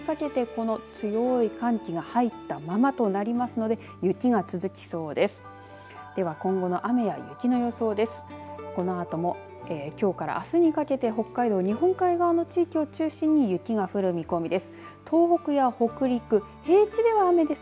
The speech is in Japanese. このあともきょうからあすにかけて北海道、日本海側の地域を中心に雪が降る見込みです。